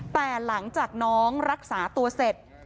แต่หลังจากน้องรักษาตัวเสร็จ